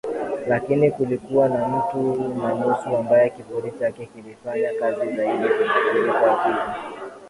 Lakini kulikuwa na mtu na nusu ambaye kivuli chake kilifanya kazi zaidi kuliko akili